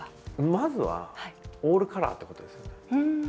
まずはオールカラーってことですよね。